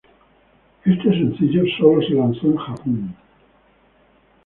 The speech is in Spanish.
Este sencillo sólo fue lanzado en Japón.